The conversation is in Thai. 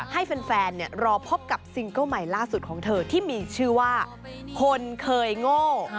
ให้แฟนรอพบกับซิงเกิ้ลใหม่ล่าสุดของเธอที่มีชื่อว่าคนเคยโง่